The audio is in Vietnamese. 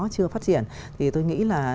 chưa phát triển thì tôi nghĩ là